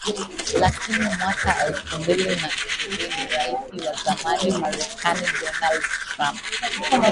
Lakini mwaka elfu mbili na ishirni Rais wa zamani Marekani Donald Trump